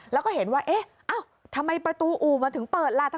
แล้วก็เห็นว่าเอ๊ะทำไมประตูอู่มันถึงเปิดล่ะ